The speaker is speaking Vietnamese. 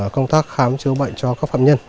công tác khám chữa bệnh cho các phạm nhân